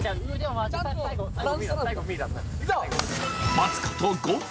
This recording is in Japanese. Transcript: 待つこと５分。